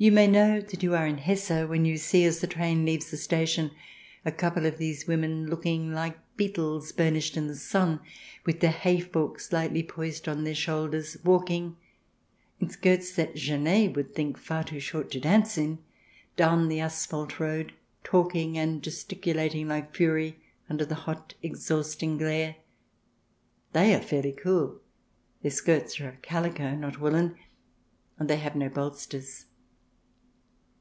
You may know that you are in Hesse when you see, as the train leaves the station, a couple of these women looking like beetles burnished in the sun, with their hay forks lightly poised on their shoulders, walking in skirts that Genee would think far too short to dance in, down the asphalte road, talking and gesticulating like fury, under the hot exhausting glare. They are fairly cool ; their skirts are of calico, not woollen, and they have no bolsters.